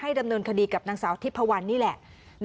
ดำเนินคดีกับนางสาวทิพพวันนี่แหละ